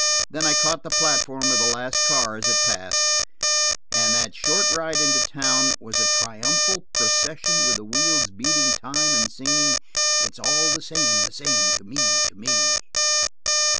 Then I caught the platform of the last car as it passed, and that short ride into town was a triumphal procession with the wheels beating time and singing: "It's all the same–the same–to me–to me."